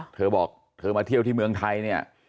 เธอบอกเธอมาเที่ยวที่เมืองไทยเนี่ย